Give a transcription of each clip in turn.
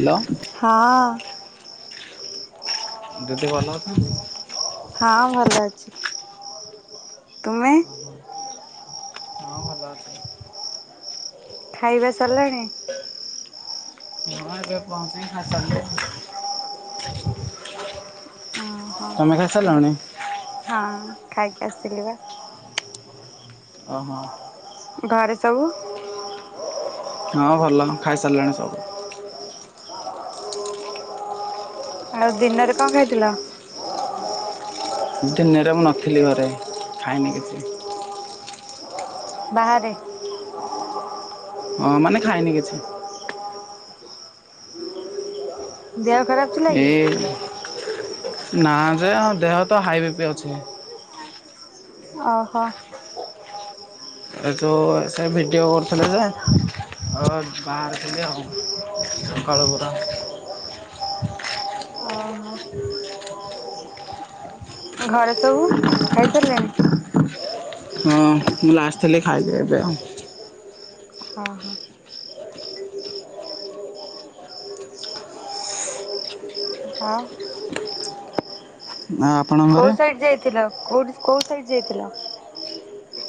Hello. ହଁ ଦିଦି ଭଲ ଅଛନ୍ତି? ହଁ ଭଲ ଅଛି ତୁମେ ହଁ ଭଲ ଅଛି ଖାଇବା ସରିଲାଣି ହଁ ଏବେ ପହଂଚି ଖାଇସାରିଲୁ ହଁ ହଁ ଖାଇକି ଆସିଲିବା ଓ ହ ଘରେ ସବୁ ହଁ ଭଲ ଖାଇସାରିଲେଣି ସବୁ ଆଉ ଦିନରେ କଣ ଖାଇଥିଲ? ଦିନେରେ ମୁଁ ନଥିଲି ଘରେ ଖାଇନି କିଛି। ବାହାରେ ହଁ ମାନେ ଖାଇନି କିଛି ଦେହ ଖରାପ ଥିଲା କି? ଏଇ ନା ଯେ ଆଉ ଦେହତ ହାଇ ବିପି ଅଛି। ଓ ହୋ ଏ ଯେଉ ସେ ଭିଡ଼ିଓ କରୁଥିଲେ ଯେ ଆଉ ବାହାରିଥିଲି ସକାଳୁ ପୁରା। ଓ ହୋ। ଘରେସବୁ ଖାଇସାରିଲେଣି? ହଁ ମୁଁ ଲାଷ୍ଟଥିଲି ଖାଇକି ଏବେ ଆଉ। ହଁ ହଁ। ହଁ। ନା ଆପଣଙ୍କ ଘରେ? କୋଉ ସାଇଡ ଯାଇଥିଲ କୋଉଠି କୋଉ ସାଇଡ ଯାଇଥିଲ?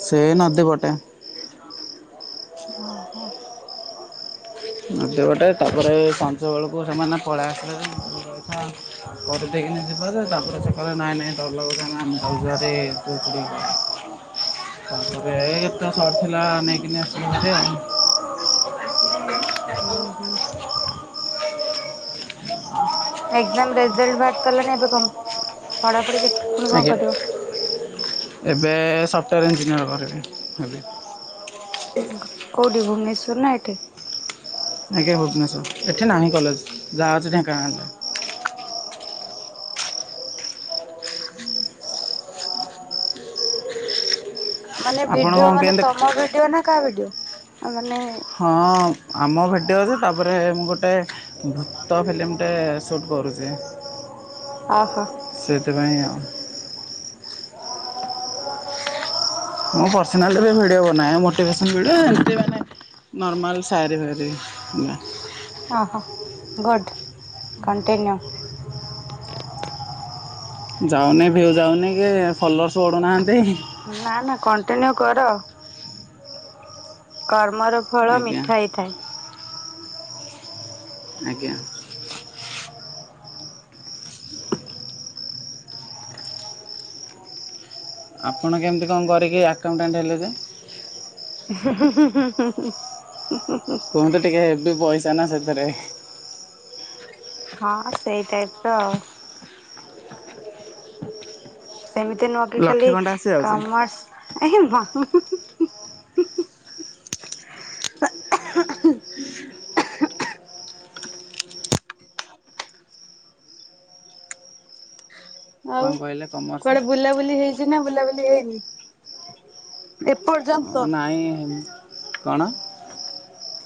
ସେ ନଦୀପଟେ। ଓ ହୋ। ନଦୀ ପଟେ। ତାପରେ ସଞ୍ଜ ବେଳକୁ ସେମାନେ ପଳେଇ ଆସିଲା ମୁଁ କହିଲି ରହିଥା ଘରେ ଦେଇକିନା ଯିବା ଯେ ତାପରେ ସେ କହିଲେ ନାଇଁ ନାଇଁ [unintelligible] [unintelligible] ସରି ଥିଲା ନେଇକିନି ଆସିଲ ଭାରି ଆଉ। ଓ ହୋ। ଏକ୍ସାମ୍ ରେଜଲ୍ଟ ବାହାରତଲାଣି ଏବେ କନ୍ ପଢ଼ାପଢ଼ି କେତ୍ ପୁଣି କଣ ଆଜ୍ଞା କରିବ? ଏବେ ସଫ୍ଟୱୋର ଇଞ୍ଜିନିୟର କରିବି ହେବି। କୋଉଠି ଭୁବନେଶ୍ୱର୍ ନା ଏଠି? ଆଜ୍ଞା ଭୁବନେଶ୍ୱର ଏଠି ନାହିଁ କଲେଜ୍ ଯା ଅଛି ଢେଙ୍କାନାଳ ରେ। ହୁଁ। ମାନେ ଆପଣ ଭିଡିଓ କଣ ମାନେ କେମିତି ତମ ଭିଡିଓ ନା କା ଭିଡ଼ିଓ ଆମେ ହଁ। ଆମ ଭିଡ଼ିଓରେ ତାପରେ ମୁଁ ଗୋଟେ ଭୂତ ହେଲେ ମୁଁ ଟେ ସୁଟ୍ କରୁଚି। ଅ ହ। ସେଥିପାଇ ଆଉ ମୁଁ ପର୍ସନାଲ୍ ରେ ଭିଡ଼ିଓ ବନାଏ ମୋଟିଭେସନ୍ ଭିଡ଼ିଓ ଏମତି ମାନେ ନର୍ମାଲ୍ ସାଆରୀ ଫାଏରି। ଓହୋ ଗୁଡ୍ କଣ୍ଟିନ୍ୟୁ। ଯାଉନି ଭିଉ ଯାଉନି କି ଫଲୋର୍ସ ବଢ଼ୁନାହାଁନ୍ତି। ନା ନା କଣ୍ଟିନ୍ୟୁ କର କର୍ମର ଫଳ ଆଜ୍ଞା। ମିଠା ହେଇଥାଏ। ଆଜ୍ଞା ଆପଣ କେମିତି କଣ କରିକି ଆକାଉଣ୍ଟାଣ୍ଟ ହେଲେ ଯେ। ହୁଁ ହୁଁ ହୁଁ ଉଁ। କୁହନ୍ତୁ ଟିକେ ହେବି ପଇସ ଚନା ସେତରେ। ହଁ ସେଇ ଟାଇପ୍ ତ ଅ ଏମିତି ନୁହଁ କି ଲକ୍ଷେ ଖାଲି ଖଣ୍ଡେ ଆସିଯାଉଛି କମର୍ସ୍ ଏହ ମା ଆଉ କଣ କହିଲେ କମର୍ସ କୁଆଡେ ବୁଲା ବୁଲି ହେଇଛି। ନା ବୁଲାବୁଲି ହେଇନି ଏପ୍ ଓ ନାହିଁ। କଣ।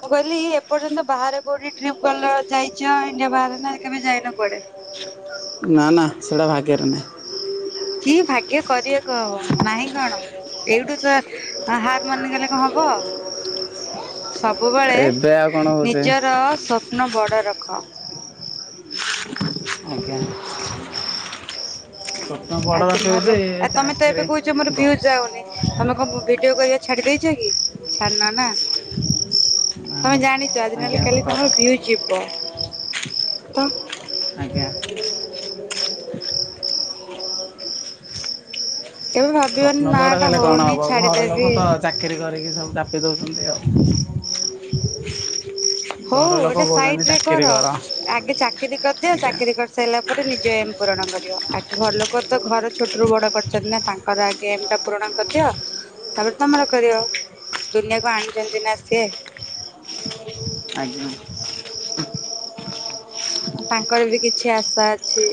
ମୁଁ କହିଲି ଏପର୍ଯ୍ୟନ୍ତ ବାହାରେ କୋଉଠି ଟ୍ରିପ ଗଲ ଯାଇଛ ଇଣ୍ଡିଆ ବାହାରେ ନା କେବେ ଯାଇନ କୁଆଡେ। ନା ନା ସେଇଟା ଭାଗ୍ୟରେ ନାହିଁ। କି ଭାଗ୍ୟ କରିବାକୁ ହବ। ନାହିଁ କଣ ଏଇଠୁ ତ ହାର ମାନିଗଲେ କଣ ହବ। ସବୁବେଳେ ଏବେ ଆଉ କଣ ହଉଛି ନିଜର ସ୍ୱପ୍ନ ବଡ ରଖ। କ ଆଞା। ଆଜି ରଖିଛି ନହେଲେ ଆ ତମେ ତ ଏବେ ଚାକିରି କହୁଛ ମୋର ଭିଉଜ୍ ଯାଉନି। ତମେ କଣ ଭିଡ଼ ଡିଓ କରିବା ଛାଡି ଦେଇେଇଛ କି ଛାଡିନ ନା ତମେ ଜାଣି ଅଜି ନ ଆଜ୍ଞା ହେଲେ ସତ କାଲି କଥା ତମର ଭିୟୁଜ ଯିବ। ତ ଆଜ୍ଞା। କେବେ ଭାବିବନି ସ୍ୱପ୍ନ ନା ବଡ଼ ଟା କଲେ କଣ ହଉନି ହେବ। ଘର ଲୋକ ଛାଡିଦେବି। ତ ଚାକିରିୀ କରିକି ସବୁ ଚାପି ଦେଉଛନ୍ତି ଆଉ। [inaudible] ହଉ ଘର ଲୋକ ଏଟା କହୁଛନ୍ତି ସାଇଡ ରେ ଚାକିରି କର। ଆଗେ ଚାକିରି କରିଦିଅ ଆଜ୍ଞା। ଚାକିରି କରିସାରିଲା ପ ତାପରେ ନିଜ ଏମ ପୂରଣ କରିବ। ଆଗ ଘର ଲୋକ ତ ଘର ଛୋଟରୁୁ ବଡ କରିଛନ୍ତି ନା ତାଙ୍କର ଆଗେ ଏମ ଟା ପୂରଣ କରିଦିଅ। ତାପରେ ତମର କରିବ ଦୁନିଆକୁ ଆଣିଛନ୍ତି ନା ସିଏ। ଆଜ୍ଞା। ତାଙ୍କର ବି କିଛି ଆଶା ଅଛି।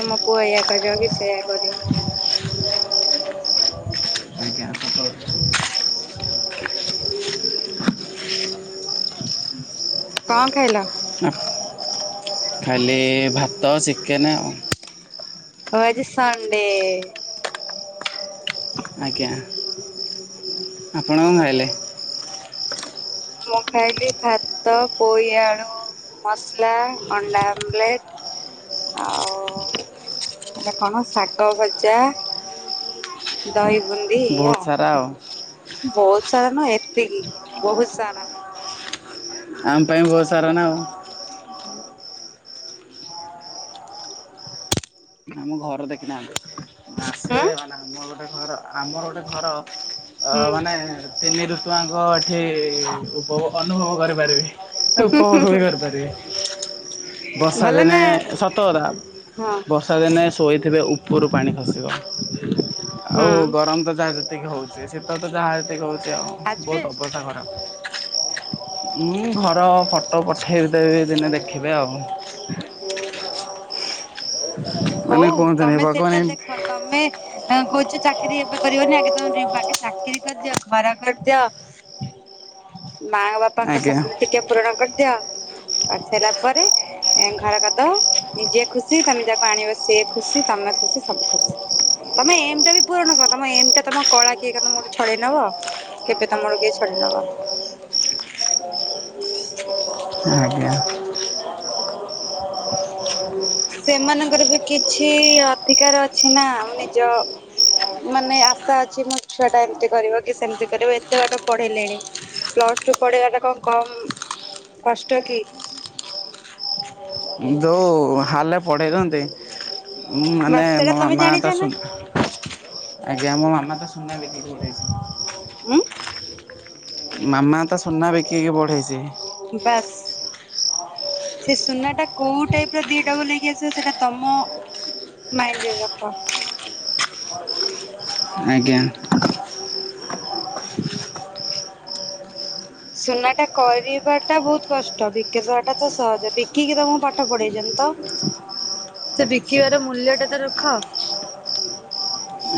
ତମକୁୁ ଏଇଆ କରିବ କି ସେଇୟା କରିବ। ଆଜ୍ଞା ସତ [inaudible] କଣ ଖାଇଲ। ଖାଇଲି ଭାତ ଚିକେନ୍ ଆଉ। ଓ ଆଜି ସଣ୍ଡେ। ଆଜ୍ଞା ଆପଣ କଣ ଖାଇଲେ। ମୁଁ ଖାଇଲି ଭାତ ପୋଇ ଆଳୁ ମସଲା। ଅଣ୍ଡା ଆମଲେଟ ଆଉ ଏଟା କଣ ଶାଗ ଭଜା ଦହି। ବୁନ୍ଦୀ। ବହୁତ ସାରା ଆଉ ବହୁତ ସାରା ନୁହଁ ଏତିକି ବହୁତ ସା ଆମ ପାଇଁ ବହୁତ ସାରା ନା ଆଉ। [inaudible] ଆମ ଘର ଦେଖିନାହାନ୍ତି। ମାସେ ହୁଁ ମାନେ ଆମ ଗୋଟେ ଘର ଆମର ଗୋଟେ ଘର ଅ ହୁଁ ମାନେ ତିନି ଋତୁଆଙ୍କ ଏଠି ଉପଭୋଗ ଅନୁଭବ କରିପାରିବି। ଉପଭୋଗ ବି କରିପାରିବି ବର୍ଷା ଭଲ ଦିନେ ନା ସତ କଥା ହଁ ବର୍ଷା ଦିନେ ଶୋଇଥିବେ ଉପରୁ ପାଣି ଖସିବ ଆଉ ହୁଁ ଗରମ ତ ଯାହା ସେତିକେ ହଉଛି ଶୀତ ତ ଯାହା ଯେତିକି ହଉଛି ଏଇଆ ଉ ବହୁତ ଆଜବେଷ୍ଟ ଅବସ୍ଥା ଖରାପ। ମୁଁ ଘର ଫଟୋ ପଠେଇ ଦେବି ଦିନେ ଦେଖିବେ ଆଉ। [inaudible] ମାନେ ହଉ କୁହନ୍ତୁନି ତମେ ଭଗବାନ ସେଇଟା ଦେଖ। ତମେ ଅ କହୁଛ ଚାକିରି ଏବେ କରିବନି ଆଗ ତମ ଆଗେ ଚାକିରି କରିଦିଅ ଘର କରିଦିଅ ମା ବାପାଙ୍କ ଆଜ୍ଞା ସପ୍ନ ଟିକେ ପୂରଣ କରିଦିଅ କରିସାରିଲା ପରେ ଘର କରିଦବ ନିଜେ ଖୁସି ତମେ ଯାହା ଆଣିବ ସିଏ ଖୁସି ତମେ ଖୁସି ସବୁ ଖୁସି ତମେ ଏମ ଟା ବି ପୂରଣ କ ତମ ଏମ ଟା ତମ କଳା କିଏ ତମର ଛଡେଇ ନବ କେବେ ତମର କିଏ ଛଡି ନବ ଆଜ୍ଞା। ସେମାନଙ୍କର ବି କିଛି ଅଧିକାର ଅଛି ନା ନିଜ ମାନେ ଆଶା ଅଛି ମୋ ଛୁଆ ଟା ଏମତି କରିବ କି ସେମତି କରିବ ଏତେ ବାଟ ପଢେଇଲେଣି ପ୍ଲସ ଟୁ ପଢେଇବା ଟା କଣ କମ କଷ୍ଟ କି? ଯେଉଁ ହାଲେ ପଢ଼େଇନ୍ତି [unintelligible] ବାସ୍ ସେଇଟା ତମେ ଜାଣିଛ ନା ସୁନା ବିକି କି ଦେଇଛି ଉଁ? ମାମା ତା ସୁନା ବିକିକି ବଢେଇଛି। ବାସ୍। ସେ ସୁନା ଟା କୋଉ ଟାଇପ ର ଦିଟା ବୁ ଲକି ଆସିବ ସେଟା ତମ ମାଇଣ୍ଡରେ ରଖ। ଆଜ୍ଞା। ସୁନା ଟା କରିବା ଟା ବହୁତ କଷ୍ଟ ବିକବା ଟା ତ ସହଜ ବିକିକି ତ ମୁ ପାଠ ପଢେଇଛନ୍ତି ତ ସେ ବିକିବାର ମୂଲ୍ୟ ଟା ତ ରଖ।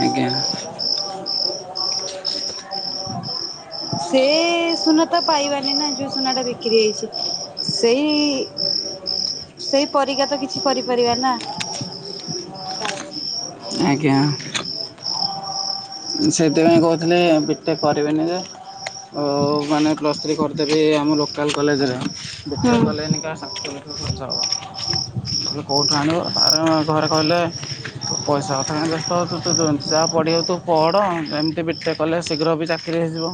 ଆଜ୍ଞା। ସେ ସୁନା ତ ପାଇବାନି ନା ଯୋଉ ସୁନା ଟା ବିକ୍ରି ହେଇଛି ସେଇ ସେଇ ପରିକା ତ କିଛି କରିପାରିବା ନା। ଆଜ୍ଞା। ସେଥିପାଇଁ କହୁଥିଲେି ବିଟେକ୍ କରିବେିନି ଯେ ଆଉ ମାନେ ପ୍ଲସ୍ ଥ୍ରୀ କରିଦେବି ଆମ ଲୋକ ଲୋକାଲ କଲେଜରେ [unintelligible] ହୁଁ ତେ କେଉଁଠୁ ଆଣିବ ତା ଘରେ କହିଲେ ପଇସା କଥା ତୁ କାଇଁ ବ୍ୟସ୍ତ ହେଉଛୁ ଯାହା ପଢ଼ିବୁ ତୁ ପଢ଼ ଏମିତି ବି ଟେକ୍ କଲେ ଶୀଘ୍ର ବି ଚାକିରି ହେଇଯିବ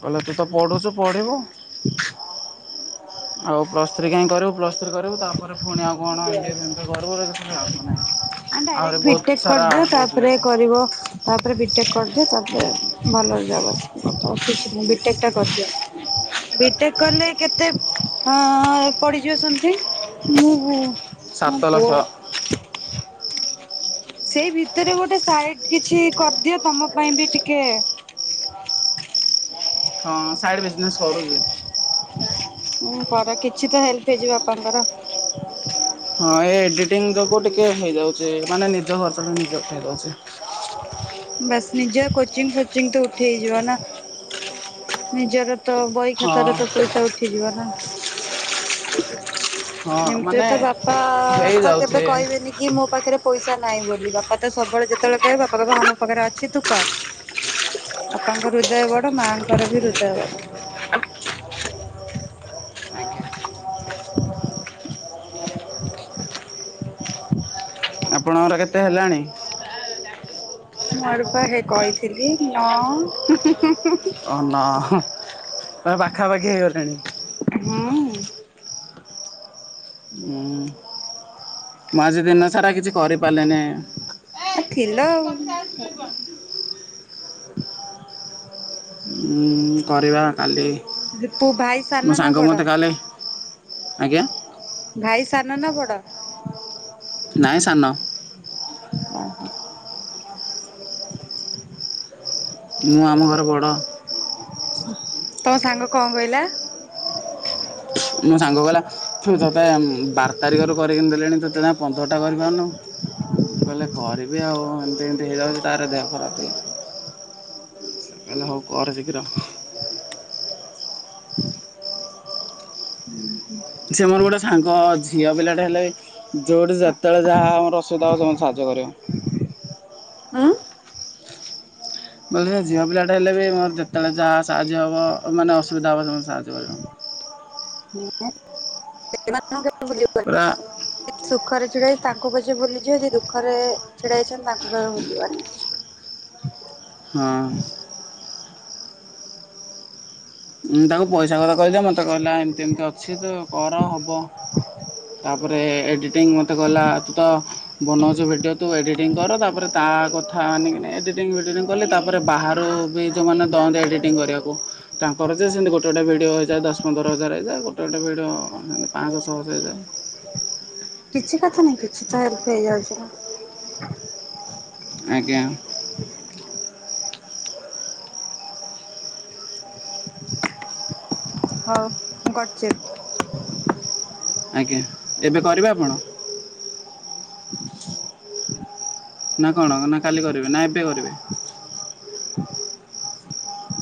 କହିଲେ ତୁ ତ ପଢ଼ୁଛୁ ପଢ଼ିବୁ ଆଉ ପ୍ଲସ୍ ଥ୍ରୀ କାହିଁ କରିବୁ ପ୍ଲସ୍ [unintelligible] ଡାଇରେକ୍ଟ ବହୁତ ବିଟେକ୍ ସାରା କରିଦିଅ ବହୁତ ତାପରେ ଲେଟ୍ କରିବ ତାପରେ ବିଟେକ୍ କରିଦିଅ ତାପରେ ଭଲ ଜବ ଆସଛି ବିଟୋ କରିଦିଅ ବିଟେକ୍ କଲେ କେତେ ପଡିଯିବ ସମଥିଙ୍ଗ ମୁଁ ମୋ ସାତ ପୁଅ ଲକ୍ଷ ସେଇ ଭିତରେ ଗୋଟେ ସାଇଟ କିଛି କରିଦିଅ ତମ ପାଇଁ ବି ଟିକେ ହ ସାଇଡ଼୍ ବିଜନେସ୍ କରୁଚି ହଁ କର କିଛି ତ ହେଲ୍ପ ହେଇଯିବ ବାପାଙ୍କର ହଁ ଏ ଏଡ଼ିଟିଙ୍ଗ ଯୋଗୁଁ ଟିକେ ହେଇଯାଉଛି ମାନେ ନିଜ ଖର୍ଚ୍ଚଟା ନିଜେ ଉଠେଇଦୋଉଚି। ବାସ୍ ନିଜ କୋଚିଂ ଫୋଚିଂ ତ ଉଠେଇହେଇଯିବ ନା ନିଜର ତ ବହି ହଁ ଖାତାରେ ତ ପଇସା ଉଠିଯିବ ନା ହଁ ଏମିତିରେ ମାନେ ତ ବାପା ତ ହେଇଯାଉଛି କେବେ କହିବେନି କି ମୋ ପାଖରେ ପଇସା ନାହିଁ ବୋଲି ବାପା ତ ସବୁବେଳେ ଯେତେବେଳେ କହିବେ ବାପା କହିବେ ହଁ ମୋ ପାଖରେ ଅଛି ତୁ କର ବାପାଙ୍କର ହୃଦୟ ବଡ ମାଆଙ୍କର ବି ହୃଦୟ ବଡ [inaudible] ଆପଣଙ୍କର କେତେ ହେଲାଣି ମୁଁ [unintelligible] ହେ କହିଥିଲି ନ [inaudible] [unintelligible] ପାଖାପାଖି ହେଇଗଲାଣି ହୁଁ ହୁଁ ମୁଁ ଆଜି ଦିନ ସାରା କିଛି କରିପାରିଲିନି [unintelligible] ଆଉ। ଉଁ କରିବା କାଲି ତୁ ଭାଇ ମୋ ସାନ ନା ସାଙ୍ଗ ମୋତେ ବଡ କାଲି ଆଜ୍ଞା। ଭାଇ ସାନ ନା ବଡ ନାଇଁ ସାନ ଓ ହୋ। ମୁଁ ଆମ ଘର ବଡ଼ ତମ ସାଙ୍ଗ କଣ କହିଲା ମୋ ସାଙ୍ଗ କହିଲା ତୁ ତୋତେ ବାର ତାରିଖରୁ କରିକି ଦେଲିଣି ତତ୍ [unintelligible] ପନ୍ଦରଟା କରିିପାରୁନୁ ମୁଁ କହିଲି କରିବି ଆଉ ଏ ଯେମିତି ହେଇଯାଉଛି ତାର ଦେହ ଖରାପ [unintelligible] ସେ କହିଲା ହଉ କର ଶୀଘ୍ର [inaudible] ହୁଁ। ସେ ମୋର ଗୋଟେ ସାଙ୍ଗ ଅଛି ଝିଅ ପିଲାଟେ ହେଲେ ଯୋଉଠି ଯେତେବେଳେ ଯାହା ଆମର ଅସୁବିଧା ହବ ସେ ମତେ ସାହାଯ୍ୟ କରିବ। ଆଁ [unintelligible] ଝିଅ ପିଲାଟା ହେଲେ ବି ମୋର ଯେତେବେଳେ ଯାହା ସାହାଯ୍ୟ ହବ ମାନେ ଅସ୍ [unintelligible] ସାହାଯ୍ୟ କରିବ ଁ ସେ [unintelligible] ଝ [unintelligible] ପୁରା ଦୁଃଖରେ ଛିଡା ହେଇଛି ତାଙ୍କୁ କି ଯ ଭୁଲିଯିବ ଯ ଦୁଃଖରେ ଛିଡା ହେଇଛନ୍ତି ତାଙ୍କୁ କେବେ ଭୁଲିବନି। ହଁ ତାଙ୍କୁ ପଇସା କଥା କହିଦିଅ ମୋତେ କହିଲା ଏମିତି ଏମିତି ଅଛି ତ କର ହବ ତାପରେ ଏ ଏଡ଼ିଟିଙ୍ଗ ମୋତେ କଲା ତୁ ତ ବନାଉଛୁ ଭିଡ଼ିଓ ତୁ ଏଡ଼ିଟିଂ କର ତାପରେ ତା କଥା ମାନିକିନି ଏଡ଼ିଟିଙ୍ଗ ଫିଡ଼ିଟିଙ୍ଗ କଲି ତାପରେ ବାହାରୁ ବି ଯେଉଁମାନେ ଦଅନ୍ତି ଏଡ଼ିଟିଙ୍ଗ କରିବାକୁ ତା କରରଚ ସେମିତି ଗୋଟେ ଗୋଟେ ଭିଡ଼ିଓ ହୋଇଇଯାଏ ଦଶ ପନ୍ଦର ହଜାର ହେଇଯାଏ ଗୋଟେ ଗୋଟେ ଭିଡ଼ିଓ ସେମିତି ପାଞ୍ଚଶ ଛଅସ ହେଇଯାଏ। କିଛି କଥା ନାହିଁ କିଛି ତ ହେଇଯାଉଛି ନା ଆଜ୍ଞା। ହଁ ମୁ କରଛି। ଆଜ୍ଞା ଏବେ କରିବେ ଆପଣ? ନା। କଣ ନା କାଲି କରିବେ, ନା ଏବେ କରିବେ? [inaudible]